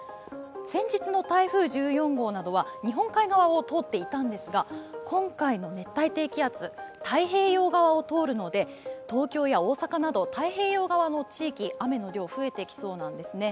先日の台風１４号などは日本海側を通っていたんですが今回の熱帯低気圧、太平洋側を通るので東京や大阪など太平洋側の地域、雨の量が増えてきそうなんですね。